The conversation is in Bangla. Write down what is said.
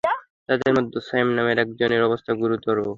তাঁদের মধ্যে সায়েম নামের একজনের অবস্থা গুরুতর হওয়ায় বগুড়ায় পাঠানো হয়।